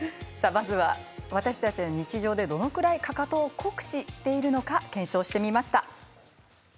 まずは日常で私たちはどれぐらいかかとを酷使しているのか検証しました。